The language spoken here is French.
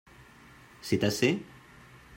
C'est assez ?